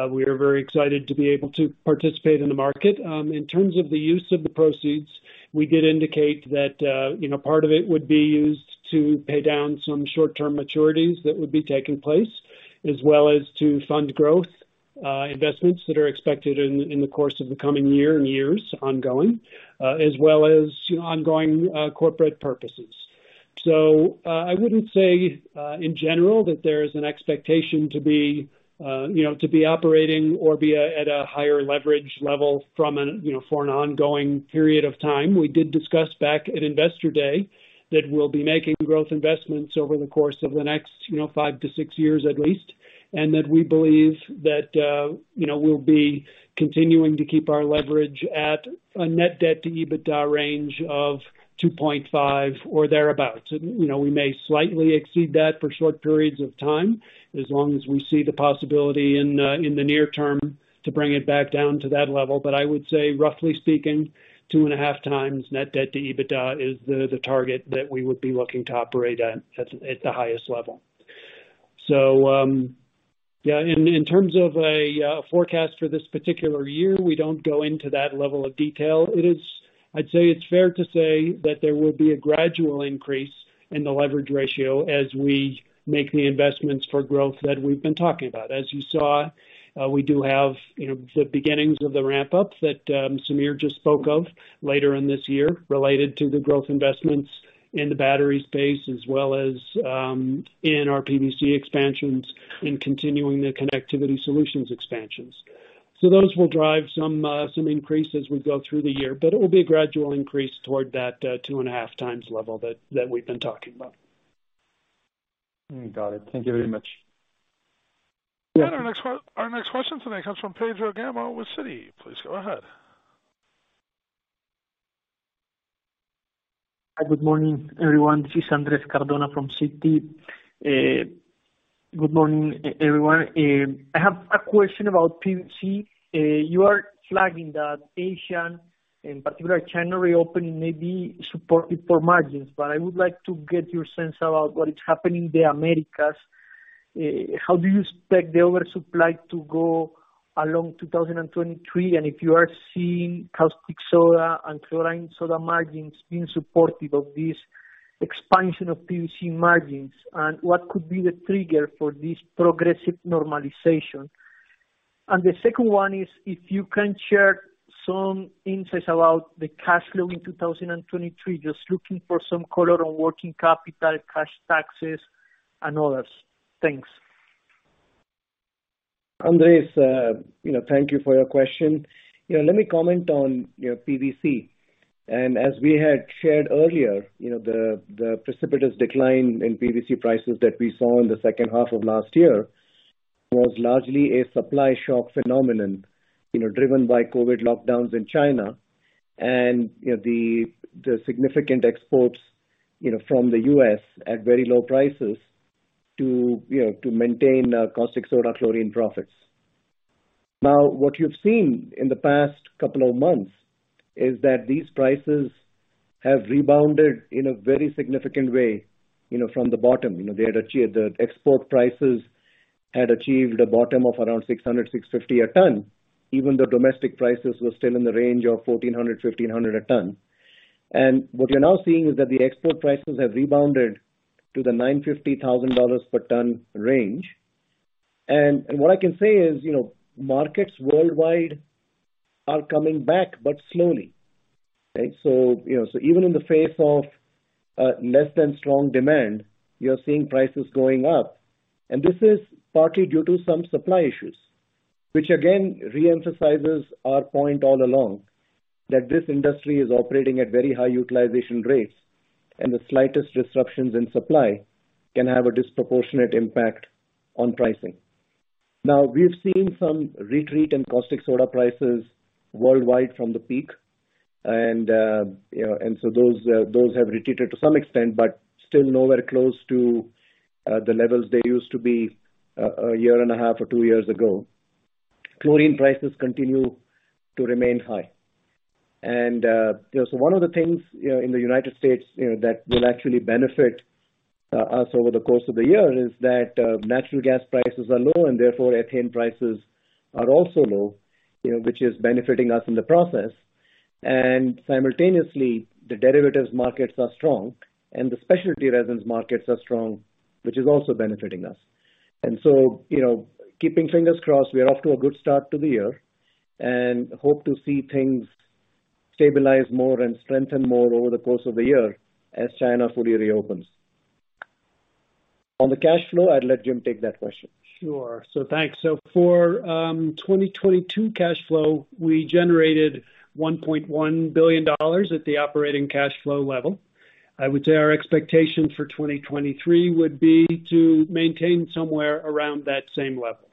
We are very excited to be able to participate in the market. In terms of the use of the proceeds, we did indicate that, you know, part of it would be used to pay down some short-term maturities that would be taking place, as well as to fund growth investments that are expected in the course of the coming year and years ongoing, as well as ongoing corporate purposes. I wouldn't say, in general that there is an expectation to be, you know, to be operating Orbia at a higher leverage level for an ongoing period of time. We did discuss back at Investor Day that we'll be making growth investments over the course of the next, you know, five to six years at least, and that we believe that, you know, we'll be continuing to keep our leverage at a net debt to EBITDA range of 2.5 or thereabout. You know, we may slightly exceed that for short periods of time as long as we see the possibility in the near term to bring it back down to that level. I would say, roughly speaking, 2.5x net debt to EBITDA is the target that we would be looking to operate at the highest level. Yeah, in terms of a forecast for this particular year, we don't go into that level of detail. I'd say it's fair to say that there will be a gradual increase in the leverage ratio as we make the investments for growth that we've been talking about. As you saw, we do have, you know, the beginnings of the ramp-up that Sameer just spoke of later in this year, related to the growth investments in the battery space as well as in our PVC expansions and continuing the Connectivity Solutions expansions. Those will drive some increase as we go through the year, but it will be a gradual increase toward that 2.5x level that we've been talking about. Got it. Thank you very much. Our next question today comes from Pedro Gama with Citi. Please go ahead. Hi, good morning, everyone. This is Andres Cardona from Citi. good morning everyone. I have a question about PVC. You are flagging that Asian, in particular China reopening, may be supportive for margins. I would like to get your sense about what is happening in the Americas. How do you expect the oversupply to go along 2023? If you are seeing caustic soda and chlorine soda margins being supportive of this expansion of PVC margins, and what could be the trigger for this progressive normalization? The second one is if you can share some insights about the cash flow in 2023. Just looking for some color on working capital, cash taxes and others. Thanks. Andres, you know, thank you for your question. You know, let me comment on, you know, PVC. As we had shared earlier, you know, the precipitous decline in PVC prices that we saw in the second half of last year was largely a supply shock phenomenon, you know, driven by COVID lockdowns in China and, you know, the significant exports, you know, from the U.S. at very low prices to, you know, to maintain caustic soda, chlorine profits. What you've seen in the past couple of months is that these prices have rebounded in a very significant way, you know, from the bottom. You know, the export prices had achieved a bottom of around $600-$650 a ton, even though domestic prices were still in the range of $1,400-$1,500 a ton. What you're now seeing is that the export prices have rebounded to the $950,000 per ton range. What I can say is, you know, markets worldwide are coming back, but slowly. Okay? You know, even in the face of less than strong demand, you're seeing prices going up. This is partly due to some supply issues, which again, re-emphasizes our point all along that this industry is operating at very high utilization rates, and the slightest disruptions in supply can have a disproportionate impact on pricing. Now, we've seen some retreat in caustic soda prices worldwide from the peak. You know, those have retreated to some extent, but still nowhere close to the levels they used to be a year and a half or two years ago. Chlorine prices continue to remain high. One of the things, you know, in the United States, you know, that will actually benefit us over the course of the year is that natural gas prices are low, and therefore ethane prices are also low, you know, which is benefiting us in the process. Simultaneously, the derivatives markets are strong and the specialty resins markets are strong, which is also benefiting us. Keeping fingers crossed, we are off to a good start to the year and hope to see things stabilize more and strengthen more over the course of the year as China fully reopens. On the cash flow, I'll let Jim take that question. Sure. Thanks. For 2022 cash flow, we generated $1.1 billion at the operating cash flow level. I would say our expectation for 2023 would be to maintain somewhere around that same level.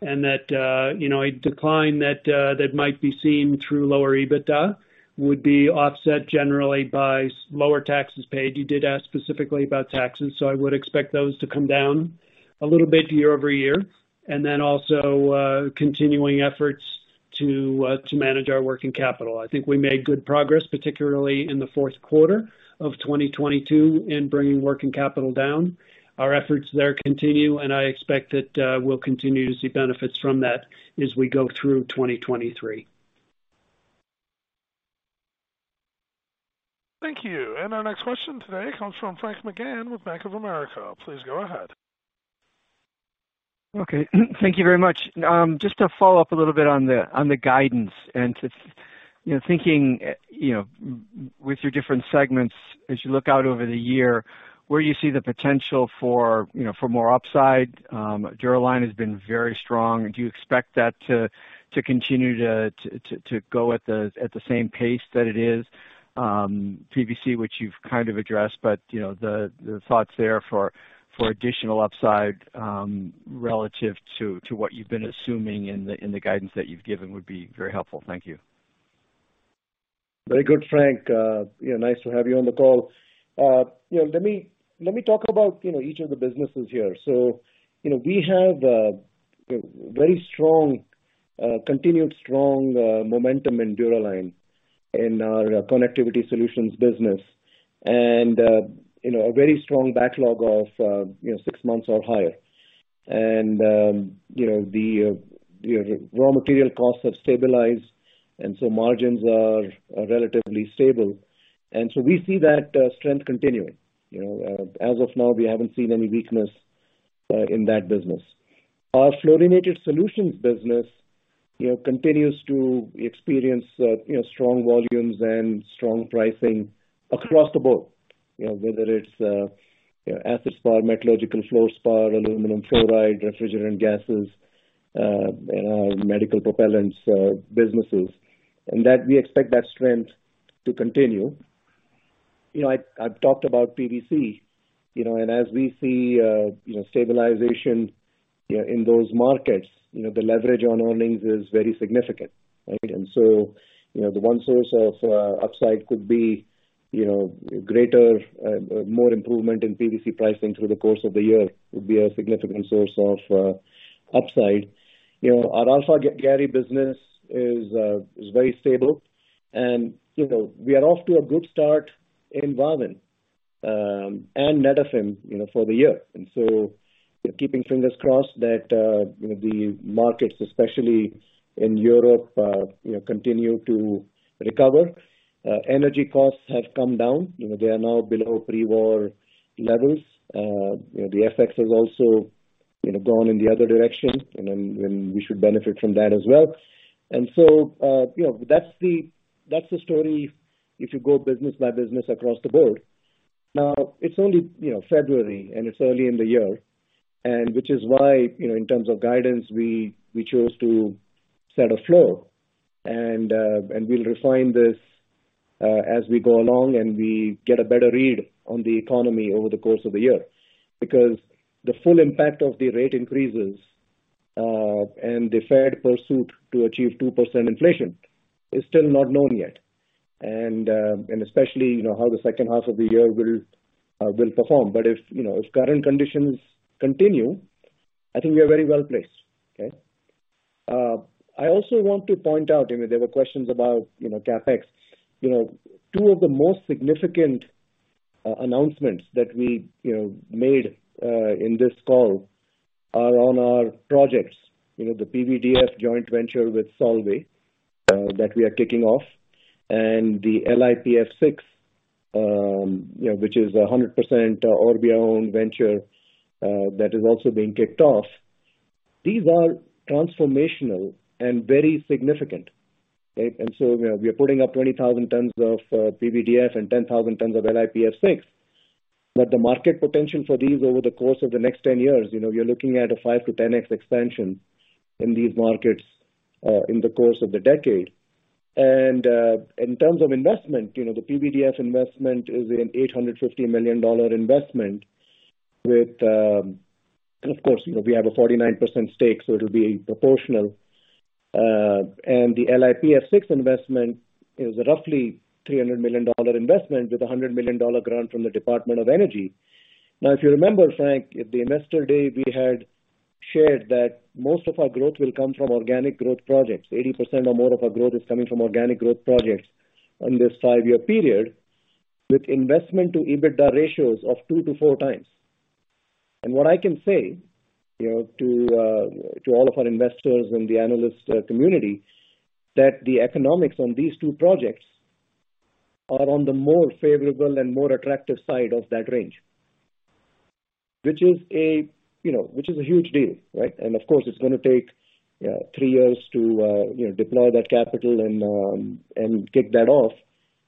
That, you know, a decline that might be seen through lower EBITDA would be offset generally by lower taxes paid. You did ask specifically about taxes, so I would expect those to come down a little bit year-over-year. Also, continuing efforts to manage our working capital. I think we made good progress, particularly in the fourth quarter of 2022, in bringing working capital down. Our efforts there continue, and I expect that we'll continue to see benefits from that as we go through 2023. Thank you. Our next question today comes from Frank McGann with Bank of America. Please go ahead. Okay. Thank you very much. Just to follow up a little bit on the guidance and you know, thinking, you know, with your different segments as you look out over the year, where you see the potential for more upside. Dura-Line has been very strong. Do you expect that to continue to go at the same pace that it is? PVC, which you've kind of addressed, but the thoughts there for additional upside, relative to what you've been assuming in the guidance that you've given would be very helpful. Thank you. Very good, Frank. You know, nice to have you on the call. You know, let me talk about, you know, each of the businesses here. You know, we have very strong, continued strong momentum in Dura-Line in our Connectivity Solutions business. You know, a very strong backlog of, you know, six months or higher. You know, the raw material costs have stabilized, and so margins are relatively stable. We see that strength continuing. You know, as of now, we haven't seen any weakness in that business. Our Fluorinated Solutions business, you know, continues to experience, you know, strong volumes and strong pricing across the board. You know, whether it's, you know, acidspar, metallurgical fluorspar, aluminum fluoride, refrigerant gases, you know, medical propellants, businesses. That we expect that strength to continue. You know, I've talked about PVC, you know, and as we see, you know, stabilization, you know, in those markets, you know, the leverage on earnings is very significant, right? You know, the one source of upside could be, you know, greater, more improvement in PVC pricing through the course of the year would be a significant source of upside. You know, our Alphagary business is very stable. You know, we are off to a good start in Wavin, and Netafim, you know, for the year. You know, keeping fingers crossed that, you know, the markets, especially in Europe, continue to recover. Energy costs have come down. You know, they are now below pre-war levels. You know, the FX has also, you know, gone in the other direction, and then, and we should benefit from that as well. So, you know, that's the, that's the story if you go business by business across the board. Now, it's only, you know, February, and it's early in the year, and which is why, you know, in terms of guidance, we chose to set a floor. We'll refine this, as we go along, and we get a better read on the economy over the course of the year. Because the full impact of the rate increases, and the Fed pursuit to achieve 2% inflation is still not known yet, and especially, you know, how the second half of the year will perform. If, you know, if current conditions continue, I think we are very well-placed. Okay? I also want to point out, you know, there were questions about, you CapEx. You know, two of the most significant announcements that we, you know, made in this call are on our projects. You know, the PVDF joint venture with Solvay that we are kicking off, and the LiPF6, you know, which is a 100%, Orbia-owned venture that is also being kicked off. These are transformational and very significant. Okay? You know, we are putting up 20,000 tons of PVDF and 10,000 tons of LiPF6. The market potential for these over the course of the next 10 years, you know, you're looking at a 5-10x expansion in these markets in the course of the decade. In terms of investment, you know, the PVDF investment is an $850 million investment with. Of course, you know, we have a 49% stake, so it'll be proportional. The LiPF6 investment is roughly $300 million investment with a $100 million grant from the Department of Energy. If you remember, Frank, at the investor day, we had shared that most of our growth will come from organic growth projects. 80% or more of our growth is coming from organic growth projects on this five-year period, with investment to EBITDA ratios of 2-4x. What I can say, you know, to all of our investors and the analyst community, that the economics on these two projects are on the more favorable and more attractive side of that range, which is a, you know, huge deal, right? Of course, it's gonna take three years to, you know, deploy that capital and kick that off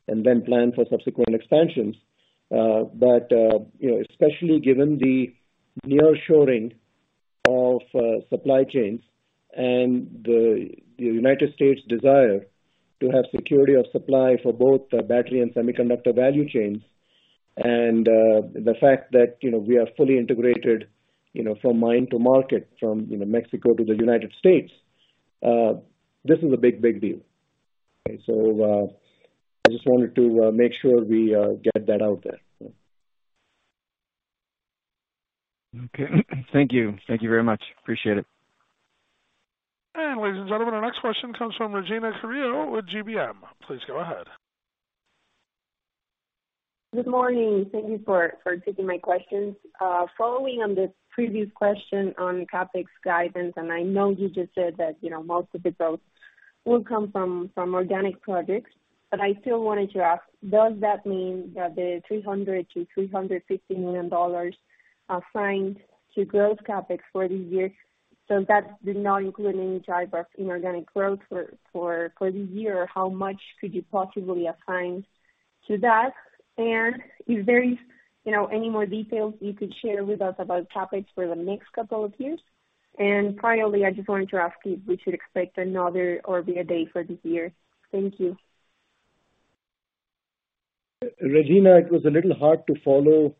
and then plan for subsequent expansions. You know, especially given the nearshoring of supply chains and the United States desire to have security of supply for both the battery and semiconductor value chains and, the fact that, you know, we are fully integrated, you know, from mine to market, from, you know, Mexico to the United States, this is a big, big deal. I just wanted to make sure we get that out there. Okay. Thank you. Thank you very much. Appreciate it. Ladies and gentlemen, our next question comes from Regina Carrillo with GBM. Please go ahead. Good morning. Thank you for taking my questions. Following on the previous question on CapEx guidance, I know you just said that, you know, most of it will come from organic projects, I still wanted to ask, does that mean that the $300 million-$350 million assigned to growth CapEx for this year, that did not include any type of inorganic growth for this year? How much could you possibly assign to that? If there is, you know, any more details you could share with us about CapEx for the next couple of years. Finally, I just wanted to ask if we should expect another Orbia day for this year. Thank you. Regina, it was a little hard to follow,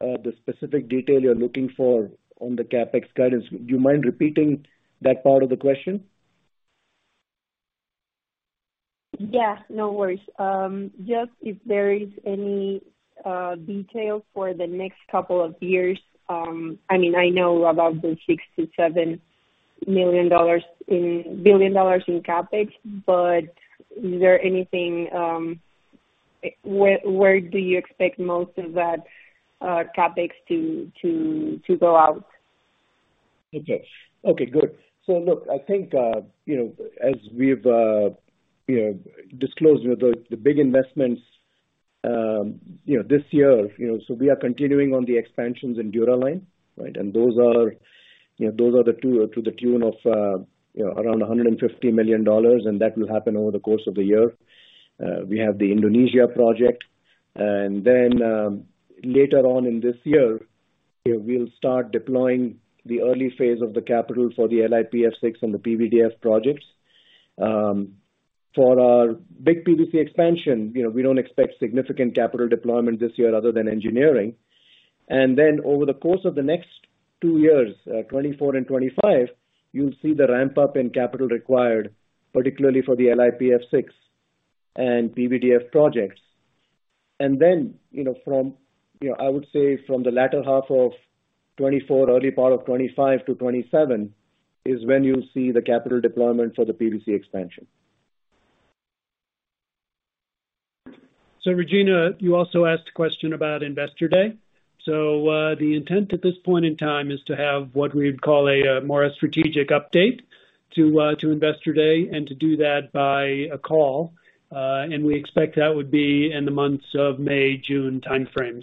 the specific detail you're looking for on the CapEx guidance. Do you mind repeating that part of the question? Yeah, no worries. Just if there is any detail for the next couple of years. I mean, I know about the $6 billion-$7 billion in CapEx, but is there anything... Where do you expect most of that CapEx to go out? Okay. Okay, good. Look, I think, you know, as we've, you know, disclosed the big investments, you know, this year, you know, we are continuing on the expansions in Dura-Line, right? Those are, you know, those are the two to the tune of, you know, around $150 million, and that will happen over the course of the year. We have the Indonesia project, and then, later on in this year, we'll start deploying the early phase of the capital for the LiPF6 and the PVDF projects. For our big PVC expansion, you know, we don't expect significant capital deployment this year other than engineering. Over the course of the next two years, 2024 and 2025, you'll see the ramp up in capital required, particularly for the LiPF6 and PVDF projects. Then, you know, from, you know, I would say from the latter half of 2024, early part of 2025-2027, is when you'll see the capital deployment for the PVC expansion. Regina, you also asked a question about Investor Day. The intent at this point in time is to have what we'd call a more a strategic update to Investor Day and to do that by a call. We expect that would be in the months of May, June timeframe.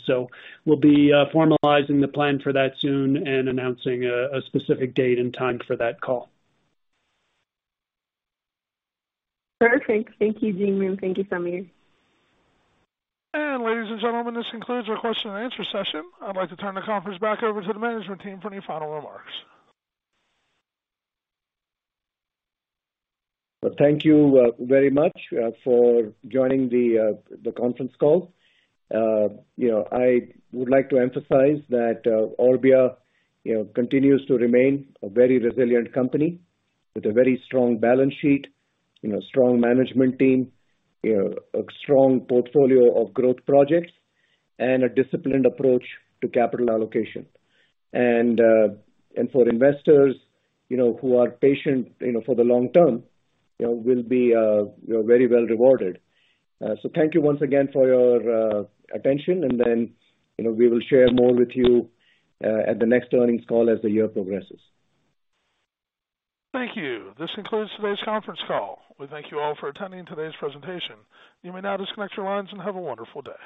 We'll be formalizing the plan for that soon and announcing a specific date and time for that call. Perfect. Thank you, Jim, and thank you, Sameer. Ladies and gentlemen, this concludes our question and answer session. I'd like to turn the conference back over to the management team for any final remarks. Thank you, very much, for joining the conference call. You know, I would like to emphasize that Orbia, you know, continues to remain a very resilient company with a very strong balance sheet, you know, strong management team, you know, a strong portfolio of growth projects and a disciplined approach to capital allocation. For investors, you know, who are patient, you know, for the long term, you know, will be, you know, very well rewarded. Thank you once again for your attention and then, you know, we will share more with you at the next earnings call as the year progresses. Thank you. This concludes today's conference call. We thank you all for attending today's presentation. You may now disconnect your lines and have a wonderful day.